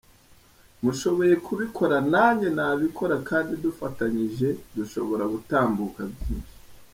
Mushoboye kubikora nanjye nabikora kandi dufatanyije dushobora gutambuka byinshi.